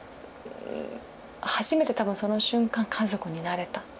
初めて多分その瞬間家族になれた。